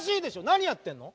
何やってんの？